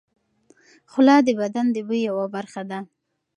خوله د بدن د بوی یوه برخه ده.